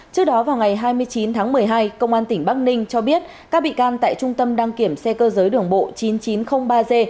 trước đó vào ngày hai mươi chín tháng một mươi hai công an tỉnh bắc ninh cho biết các bị can tại trung tâm đăng kiểm xe cơ giới đường bộ chín nghìn chín trăm linh ba g